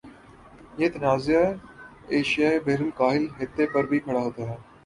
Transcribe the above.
یہ تنازع ایشیا بحرالکاہل خطے پر بھی کھڑا ہوتا ہے